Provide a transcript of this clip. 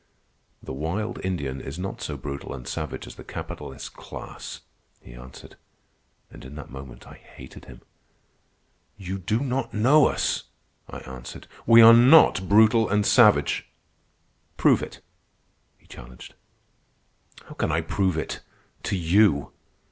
"The wild Indian is not so brutal and savage as the capitalist class," he answered; and in that moment I hated him. "You do not know us," I answered. "We are not brutal and savage." "Prove it," he challenged. "How can I prove it ... to you?"